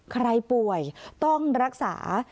ใครป่วยต้องรักษา